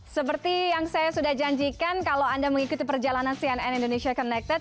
seperti yang saya sudah janjikan kalau anda mengikuti perjalanan cnn indonesia connected